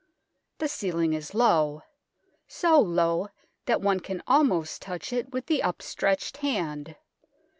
The ceiling is low so low that one can almost touch it with the upstretched hand.